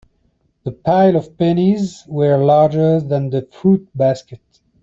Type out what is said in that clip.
The pile of pennies was larger than the fruit basket.